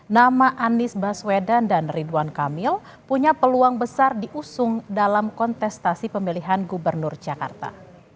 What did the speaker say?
nama anies baswedan dan ridwan kamil punya peluang besar diusung dalam kontestasi pemilihan gubernur jakarta